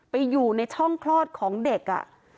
ไปอยู่ในช่องคลอดของเด็ก